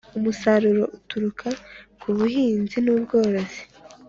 umusaruro uturuka ku buhinzi nubworozi